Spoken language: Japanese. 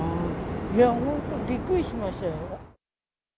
本当、びっくりしましたよ。